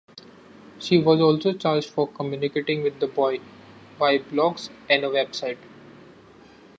She was also charged for communicating with the boy via blogs and a website.